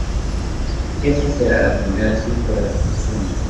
Ésta será la primera cifra de la solución.